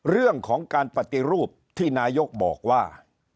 เรื่องของการปฏิรูปที่นายกบอกว่า